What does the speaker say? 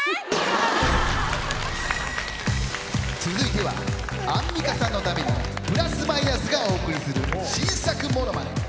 続いてはアンミカさんのためにプラス・マイナスがお送りする新作ものまね。